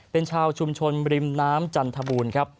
เป็นชาวชุมชนริมน้ำจันทบูรณ์ครับ